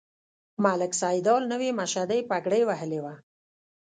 ملک سیدلال نوې مشدۍ پګړۍ وهلې وه.